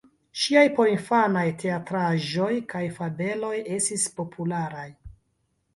Ŝiaj porinfanaj teatraĵoj kaj fabeloj estis popularaj.